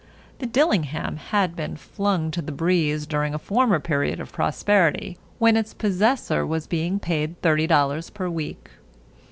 The "Dillingham" had been flung to the breeze during a former period of prosperity when its possessor was being paid $30 per week.